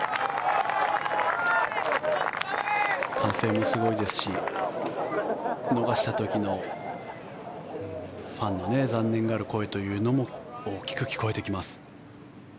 歓声もすごいですし逃した時のファンの残念がる声というのも大きく聞こえてきます。